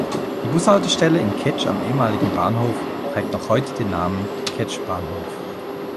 Die Bushaltestelle in Ketsch am ehemaligen Bahnhof trägt noch heute den Namen "Ketsch, Bahnhof".